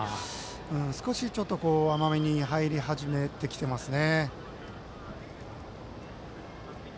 少し甘めに入り始めてきていますね。